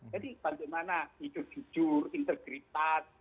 jadi bagaimana hidup jujur integritas